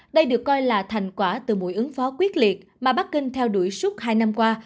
đây được coi là thành quả từ mũi ứng phó quyết liệt mà bắc kinh theo đuổi suốt hai năm qua